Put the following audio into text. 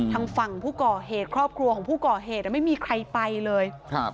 ทางฝั่งผู้ก่อเหตุครอบครัวของผู้ก่อเหตุไม่มีใครไปเลยครับ